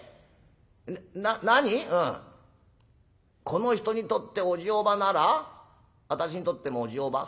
『この人にとっておじおばなら私にとってもおじおば』？